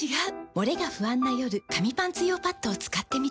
モレが不安な夜紙パンツ用パッドを使ってみた。